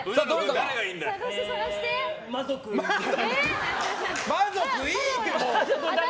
誰がいいんだい？